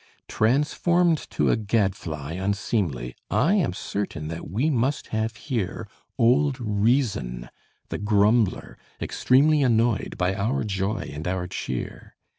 Transformed to a gad fly unseemly, I am certain that we must have here Old Reason, the grumbler, extremely Annoyed by our joy and our cheer.